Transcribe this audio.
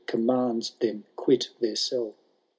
Commands them quit their cell.